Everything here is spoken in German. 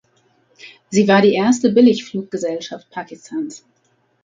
Sie war die erste Billigfluggesellschaft Pakistans.